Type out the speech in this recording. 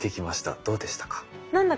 どうでしたか？